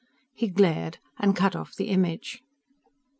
_" He glared, and cut off the image.